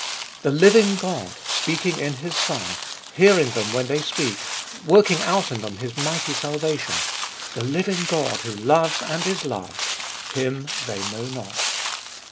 The living God, speaking in His Son, hearing them when they speak, working out in them His mighty salvation — the living God who loves and is loved, — Him they know not.